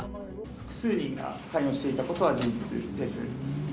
複数人が関与していたことは事実です。